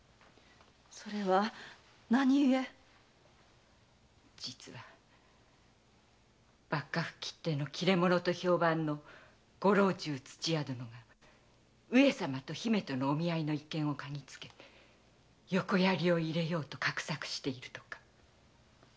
それは何故⁉実は幕閣きっての切れ者と評判のご老中・土屋殿が上様と姫とのお見合いの一件を嗅ぎつけ横槍を入れようと画策しているとか。